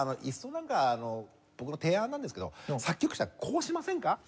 いっそなんか僕の提案なんですけど作曲者こうしませんか？